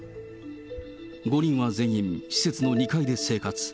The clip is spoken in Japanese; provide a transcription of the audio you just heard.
５人は全員、施設の２階で生活。